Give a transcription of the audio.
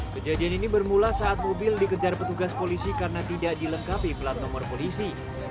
kejadian ini bermula saat mobil dikejar petugas polisi karena tidak dilengkapi plat nomor polisi